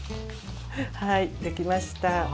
はいできました。